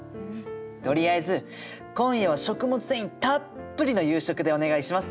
とりあえず今夜は食物繊維たっぷりの夕食でお願いします！